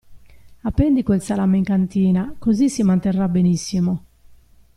Appendi quel salame in cantina, così si manterrà benissimo.